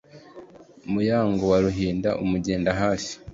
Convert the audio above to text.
Muyango wa Ruhinda amugenda hafi